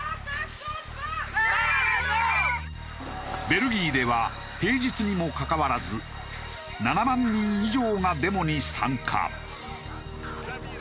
ベルギーでは平日にもかかわらず７万人以上がデモに参加。